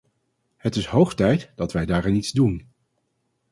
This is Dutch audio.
Het is hoog tijd dat wij daaraan iets doen.